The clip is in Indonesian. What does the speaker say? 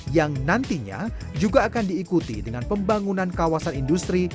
yang nantinya juga akan diikuti dengan pembangunan kawasan industri